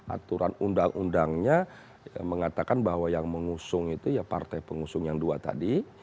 aturan undang undangnya mengatakan bahwa yang mengusung itu ya partai pengusung yang dua tadi